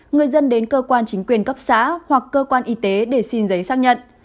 người dân đến cơ quan chính quyền cấp xã hoặc cơ quan y tế để xin giấy xác nhận